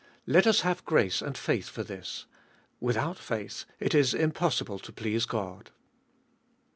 Let us have grace and faith for this ; without faith it is impossible to please God.